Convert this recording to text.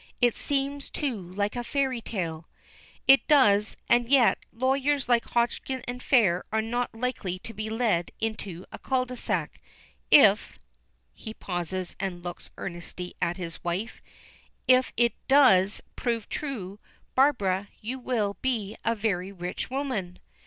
"It seems too like a fairy tale." "It does. And yet, lawyers like Hodgson & Fair are not likely to be led into a cul de sac. If " he pauses, and looks earnestly at his wife. "If it does prove true, Barbara, you will be a very rich woman."